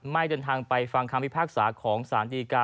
เดินทางไปฟังคำพิพากษาของสารดีกา